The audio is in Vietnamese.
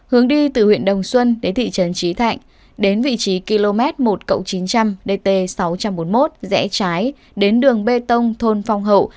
hướng đi từ huyện đồng xuân đến thị trấn trí thạnh đến vị trí km một chín trăm linh dt sáu trăm bốn mươi một rẽ trái đến đường bê tông thôn phong hậu